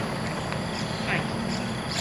壞掉